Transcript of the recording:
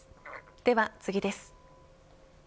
では次です。